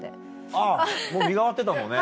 あっもう身代わってたのね。